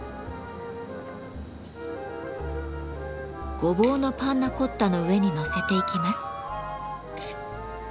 ごぼうのパンナコッタの上にのせていきます。